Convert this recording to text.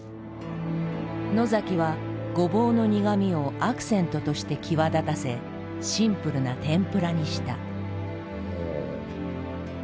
野はごぼうの苦みをアクセントとして際立たせシンプルな天ぷらにした。